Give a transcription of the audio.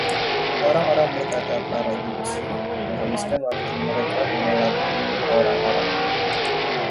Orang-orang berkata Para Gipsi menghabiskan waktu mereka mengelabui orang-orang.